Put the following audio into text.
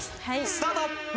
スタート！